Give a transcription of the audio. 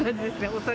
お酒。